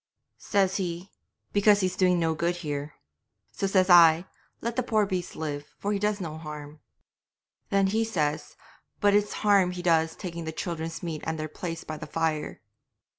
'Says he, "Because he's doing no good here." 'So says I, "Let the poor beast live, for he does no harm." 'Then says he, "But it's harm he does taking the children's meat and their place by the fire."